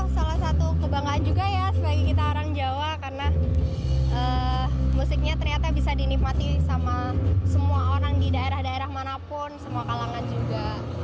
salah satu kebanggaan juga ya bagi kita orang jawa karena musiknya ternyata bisa dinikmati sama semua orang di daerah daerah manapun semua kalangan juga